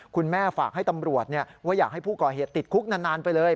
คุณแม่ฝากให้ตำรวจว่าอยากให้ผู้ก่อเหตุติดคุกนานไปเลย